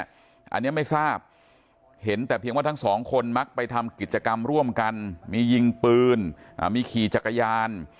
อันนี้ไม่ทราบเห็นแต่เพียงว่าทั้งสองคนมักไปทำกิจกรรมร่วมกันมียิงปืนมีขี่จักรยาน